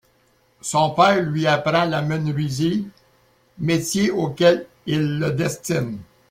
Son père lui apprend la menuiserie, métier auquel il le destine.